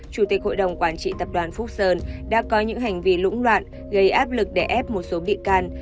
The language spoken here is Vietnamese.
chủ tịch hội đồng quản trị tập đoàn phúc sơn đã có những hành vi lũng loạn gây áp lực để ép một số bị can